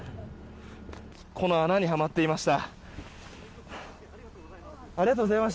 この穴にはまっていました。